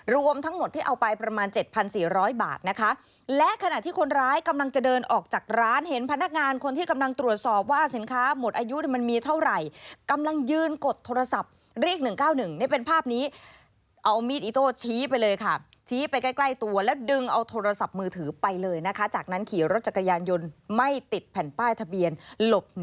รวมทั้งหมดที่เอาไปประมาณ๗๔๐๐บาทนะคะและขณะที่คนร้ายกำลังจะเดินออกจากร้านเห็นพนักงานคนที่กำลังตรวจสอบว่าสินค้าหมดอายุมันมีเท่าไหร่กำลังยืนกดโทรศัพท์เรียก๑๙๑นี่เป็นภาพนี้เอามีดอิโต้ชี้ไปเลยค่ะชี้ไปใกล้ใกล้ตัวแล้วดึงเอาโทรศัพท์มือถือไปเลยนะคะจากนั้นขี่รถจักรยานยนต์ไม่ติดแผ่นป้ายทะเบียนหลบ